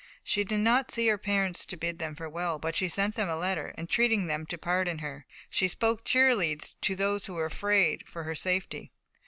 She did not see her parents to bid them farewell, but she sent them a letter, entreating them to pardon her. She spoke cheerily to those who were afraid for her safety.